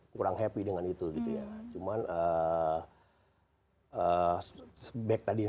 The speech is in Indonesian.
kurang happy dengan itu gitu ya